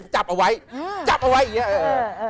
จับเอาไว้จับเอาไว้อย่างนี้